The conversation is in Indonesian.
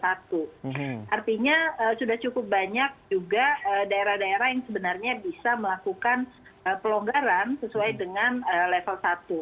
artinya sudah cukup banyak juga daerah daerah yang sebenarnya bisa melakukan pelonggaran sesuai dengan level satu